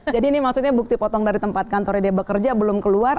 jadi ini maksudnya bukti potong dari tempat kantornya dia bekerja belum keluar